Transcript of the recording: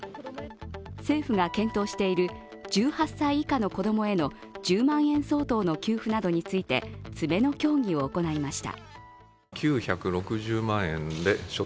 政府が検討している１８歳以下の子供への１０万円相当の給付などについて詰めの協議を行いました。